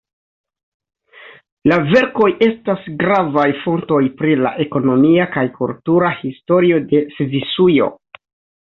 La verkoj estas gravaj fontoj pri la ekonomia kaj kultura historio de Svisujo.